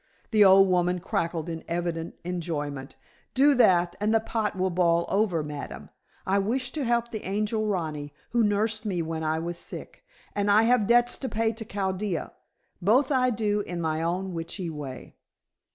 The old woman cackled in evident enjoyment. "Do that, and the pot will boil over, ma'am. I wish to help the angel rani who nursed me when I was sick, and I have debts to pay to Chaldea. Both I do in my own witchly way."